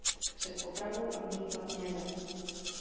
Před popravou odmítla kněze.